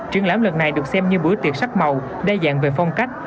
triển lãm lần này được xem như bữa tiệc sắc màu đa dạng về phong cách